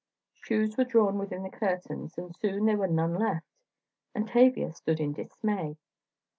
Shoes were drawn within the curtains and soon there were none left, and Tavia stood in dismay.